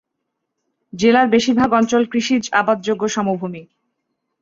জেলার বেশিরভাগ অঞ্চল কৃষিজ আবাদযোগ্য সমভূমি।